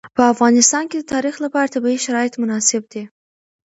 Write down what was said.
په افغانستان کې د تاریخ لپاره طبیعي شرایط مناسب دي.